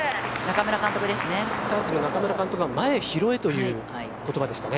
スターツの中村監督は前拾えという言葉でしたね。